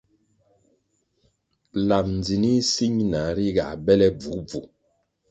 Lab ndzinih si ñina ri ga bele bvugubvu.